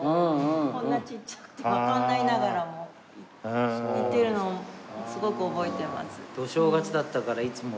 こんなちっちゃくてわかんないながらも行ってるのすごく覚えてます。